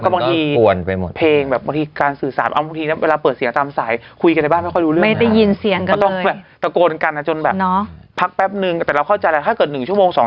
สีกันในบ้านไม่ค่อยดูเรื่องอะไรไม่ได้ยินเสียงก็เลยตะโกนกันนะจนแบบเนาะพักแป๊บนึง